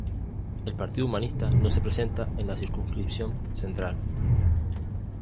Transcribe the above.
El Partido Humanista no se presenta en la circunscripción central.